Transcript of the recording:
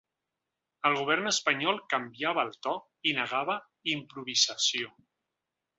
El govern espanyol canviava el to i negava improvisació.